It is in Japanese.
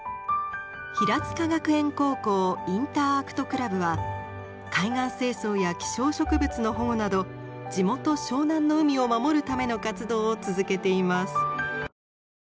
平塚学園高校インターアクトクラブは海岸清掃や希少植物の保護など地元湘南の海を守るための活動を続けています。